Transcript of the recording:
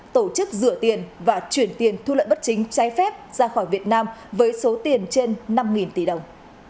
tổ chức rửa tiền và chuyển tiền thu lợi bất chính trái phép ra khỏi việt nam với số tiền trên năm tỷ đồng